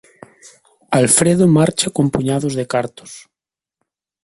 Alfredo marcha con puñados de cartos.